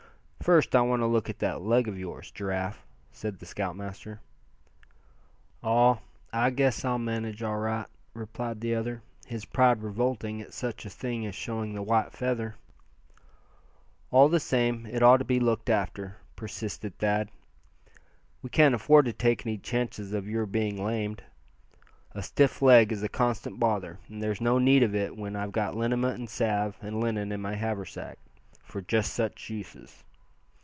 "First, I want to look at that leg of yours, Giraffe," said the scoutmaster. "Aw! guess I'll manage all right," replied the other, his pride revolting at such a thing as showing the white feather. "All the same, it ought to be looked after," persisted Thad. "We can't afford to take any chances of your being lamed. A stiff leg is a constant bother. And there's no need of it when I've got liniment and salve and linen in my haversack, for just such uses.